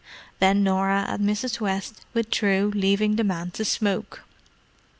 Then Norah and Mrs. West withdrew leaving the men to smoke.